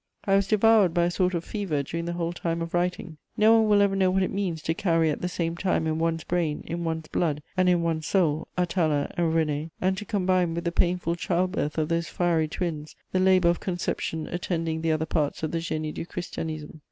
_ I was devoured by a sort of fever during the whole time of writing: no one will ever know what it means to carry at the same time in one's brain, in one's blood, and in one's soul, Atala and René, and to combine with the painful child birth of those fiery twins the labour of conception attending the other parts of the _Génie du Christianisme.